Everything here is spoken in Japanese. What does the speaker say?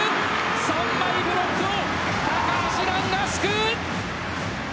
３枚ブロックを高橋藍が救う。